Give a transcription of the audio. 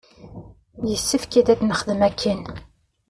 Yessefk ad txedmem akken.